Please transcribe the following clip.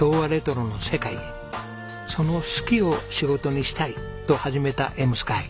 その「好き」を仕事にしたいと始めた笑夢空。